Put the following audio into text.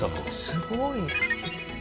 すごい。